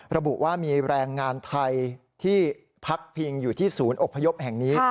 ระบุว่ามีแรงงานไทยที่พักพิงอยู่ที่ศูนย์อบพยพแห่งนี้